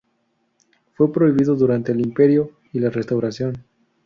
Fue prohibido durante el Imperio y la Restauración.